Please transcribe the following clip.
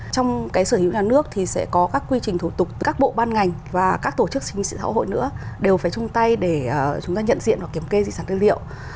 trong cái sở hữu nhà nước thì sẽ có các quy trình thủ tục từ các bộ ban ngành và các tổ chức chính trị xã hội nữa đều phải chung tay để chúng ta nhận diện và kiểm kê di sản tư liệu